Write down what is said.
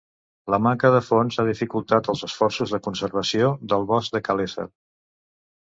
La manca de fons ha dificultat els esforços de conservació del bosc de Kalesar.